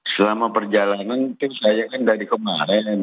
selama perjalanan mungkin saya kan dari kemarin